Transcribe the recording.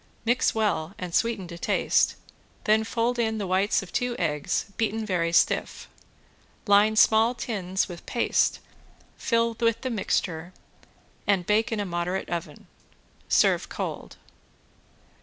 Mix well and sweeten to taste, then fold in the whites of two eggs beaten very stiff. Line small tins with paste, fill with the mixture and bake in a moderate oven. Serve cold.